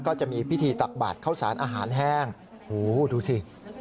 ก็จะมีพิธีตักบาดเข้าสารอาหารแห้งดูสิ